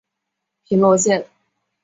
平罗线